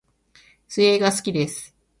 水泳が好きです